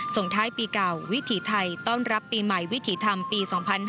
ส่งท้ายปีเก่าวิถีไทยต้อนรับปีใหม่วิถีธรรมปี๒๕๕๙